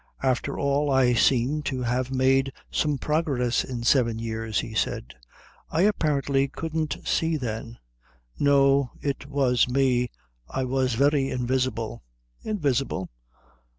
"After all I seem to have made some progress in seven years," he said. "I apparently couldn't see then." "No, it was me. I was very invisible " "Invisible?"